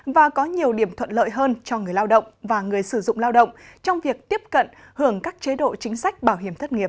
và có nhiều điểm thuận lợi hơn cho người lao động và người sử dụng lao động trong việc tiếp cận hưởng các chế độ chính sách bảo hiểm thất nghiệp